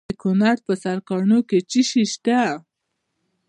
د کونړ په سرکاڼو کې څه شی شته؟